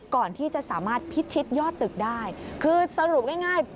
ก่อนที่จะสามารถพิชิตยอดตึกได้คือสรุปง่าย